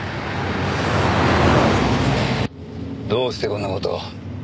どうしてこんな事を？